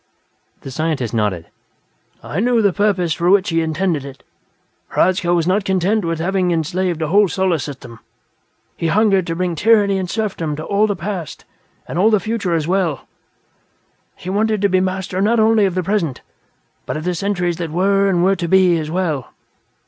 The scientist nodded. "I knew the purpose for which he intended it. Hradzka was not content with having enslaved a whole Solar System: he hungered to bring tyranny and serfdom to all the past and all the future as well; he wanted to be master not only of the present but of the centuries that were and were to be, as well.